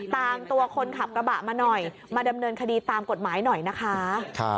ตามตัวคนขับกระบะมาหน่อยมาดำเนินคดีตามกฎหมายหน่อยนะคะ